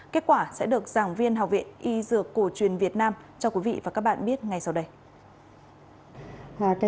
kết quả sẽ được giảng viên học viện y dược cổ truyền việt nam cho quý vị và các bạn biết ngay sau đây